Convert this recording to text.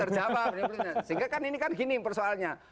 terjawab sehingga ini kan gini persoalnya